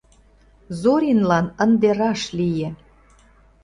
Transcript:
Зоринлан ынде раш лие.